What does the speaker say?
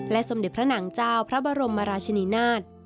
และสมเด็จพระหนังเจ้าพระบรมราชนินาศ